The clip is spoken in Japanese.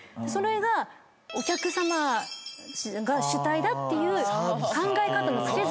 それがお客さまが主体だっていう考え方の癖